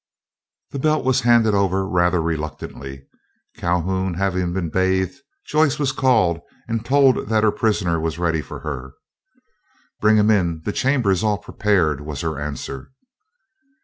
The belt was handed over rather reluctantly. Calhoun having been bathed, Joyce was called, and told that her prisoner was ready for her. "Bring him in, the chamber is all prepared," was her answer.